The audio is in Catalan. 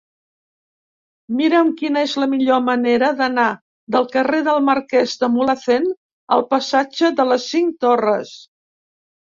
Mira'm quina és la millor manera d'anar del carrer del Marquès de Mulhacén al passatge de les Cinc Torres.